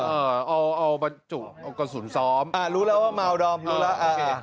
เออเอาเอาบรรจุเอากระสุนซ้อมอ่ารู้แล้วว่าเมาดอมรู้แล้วโอเค